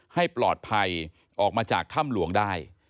ให้ปลอดภัยออกมาจากถ้ำหลวงได้